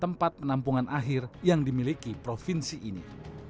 tempat penampungan akhir yang dimiliki provinsi ini